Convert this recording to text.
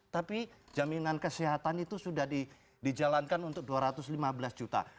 tapi jaminan kesehatan itu sudah dijalankan untuk dua ratus lima belas juta